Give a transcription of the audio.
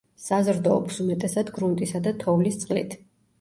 საზრდოობს უმეტესად გრუნტისა და თოვლის წყლით.